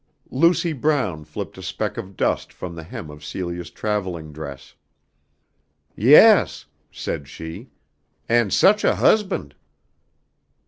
Lucy Brown flipped a speck of dust from the hem of Celia's travelling dress. "Yes," said she, "and such a husband!"